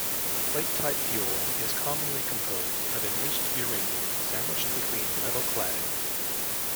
Plate-type fuel is commonly composed of enriched uranium sandwiched between metal cladding.